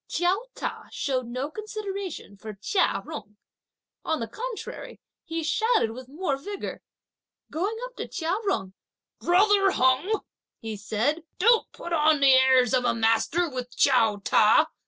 Chiao Ta showed no consideration for Chia Jung. On the contrary, he shouted with more vigour. Going up to Chia Jung: "Brother Jung," he said, "don't put on the airs of a master with Chiao Ta.